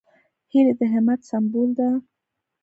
هیلۍ د همت سمبول ده